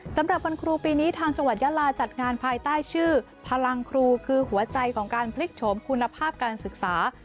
สำหรับวันครูปีนี้ทางจังหวัดยาลาจัดงานภายใต้ชื่อพลังครูคือหัวใจของการพลิกโฉมคุณภาพการศึกษา